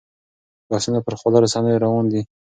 بحثونه پر خواله رسنیو روان دي.